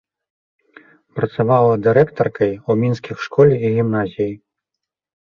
Працавала дырэктаркай у мінскіх школе і гімназіі.